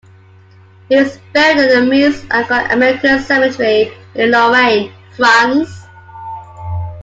He was buried at the Meuse-Argonne American Cemetery in Lorraine, France.